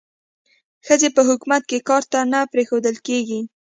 ښځې په حکومت کې کار ته نه پریښودل کېږي.